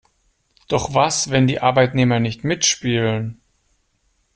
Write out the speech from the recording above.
Doch was, wenn die Arbeitnehmer nicht mitspielen?